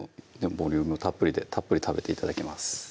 ボリュームたっぷりでたっぷり食べて頂けます